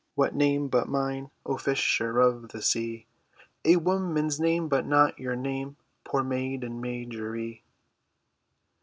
What name but mine, O fisher of the sea?" "A woman's name, but not your name, Poor maiden Marjorie."